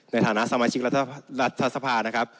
ในฐานะสมาชิกรัฐสภานะครับ